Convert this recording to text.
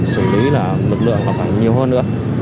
xử lý lực lượng còn nhiều hơn nữa